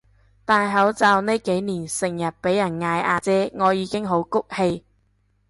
戴口罩呢幾年成日畀人嗌阿姐我已經好谷氣